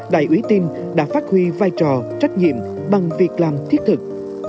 đại úy tin đã phát huy vai trò trách nhiệm bằng việc làm thiết thực